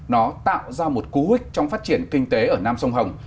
nó tạo ra một cú hích trong phát triển kinh tế ở nam sông hồng